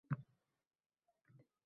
Unga nuqul yomon qizlar uchrardi